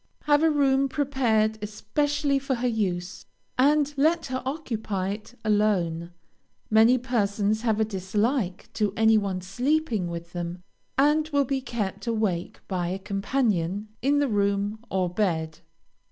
Have a room prepared especially for her use, and let her occupy it alone. Many persons have a dislike to any one sleeping with them, and will be kept awake by a companion in the room or bed.